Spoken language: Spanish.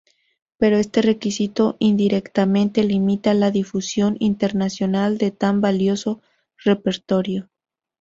Pero este requisito indirectamente limita la difusión internacional de tan valioso repertorio.